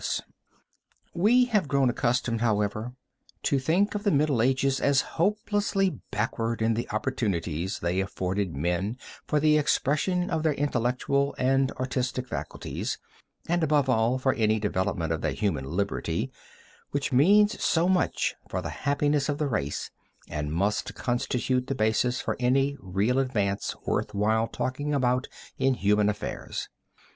MARK'S, VENICE) We have grown accustomed, however, to think of the Middle Ages as hopelessly backward in the opportunities they afforded men for the expression of their intellectual and artistic faculties, and above all for any development of that human liberty which means so much for the happiness of the race and must constitute the basis of any real advance worth while talking about in human affairs.